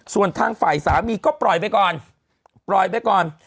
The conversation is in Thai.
ส่วนทางฝ่ายสามีก็ปล่อยไปก่อนปล่อยไปก่อน